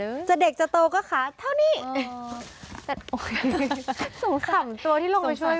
อีกมุมนึงไกลอ่ะพอขึ้นได้หน่อย